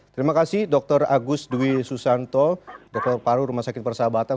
terima kasih dr agus dwi susanto dr paru rumah sakit persahabatan